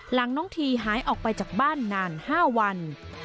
หลังน้องทีหายออกไปจากบ้านนาน๕วัน